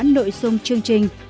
nội dung chương trình